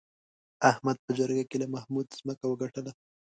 احمد په جرګه کې له محمود ځمکه وګټله.